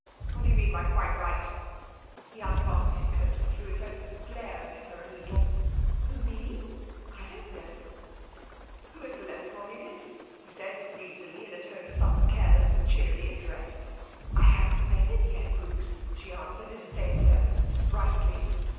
'What do you mean by 'quite right'?' He unfastened his coat and threw it open, glaring at her a little. 'Who me? I don't know.' 'Who is that letter from, Edith?' he said breezily, in a tone of sudden careless and cheery interest. 'I haven't read it yet, Bruce,' she answered, in the same tone, brightly.